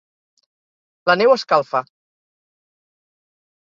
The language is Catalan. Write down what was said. La neu escalfa.